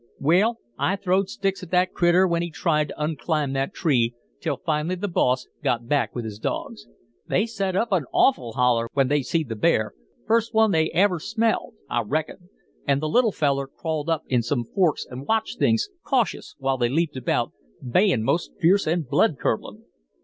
"Well, I throwed sticks at the critter when he tried to unclimb the tree, till finally the boss got back with his dogs. They set up an awful holler when they see the bear first one they'd ever smelled, I reckon and the little feller crawled up in some forks and watched things, cautious, while they leaped about, bayin' most fierce and blood curdlin'.